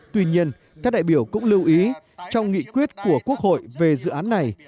tuy nhiên các đại biểu cũng lưu ý trong nghị quyết của quốc hội về dự án này